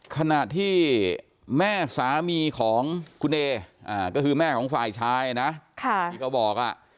ขณะที่แม่สามีของคุณเอก็คือแม่ของฝ่ายชายนะที่เขาบอก